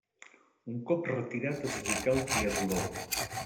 Un cop retirat es dedicà al triatló.